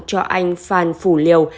cho anh phan phủ liều